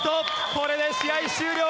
これで試合終了。